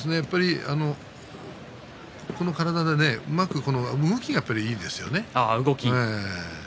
この体で動きがいいですよね。